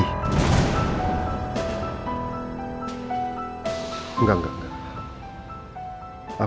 enggak enggak enggak